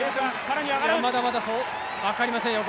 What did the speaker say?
まだまだ分かりませんよ。